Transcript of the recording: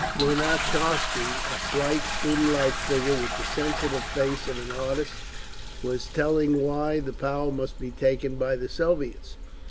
Lunatcharsky, a slight, student like figure with the sensitive face of an artist, was telling why the power must be taken by the Soviets.